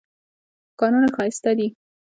کانونه ښایسته دي.